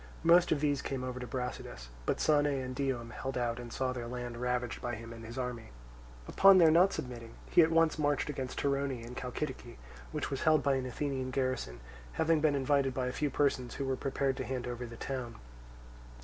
Most of these came over to Brasidas; but Sane and Dium held out and saw their land ravaged by him and his army. Upon their not submitting, he at once marched against Torone in Chalcidice, which was held by an Athenian garrison, having been invited by a few persons who were prepared to hand over the town.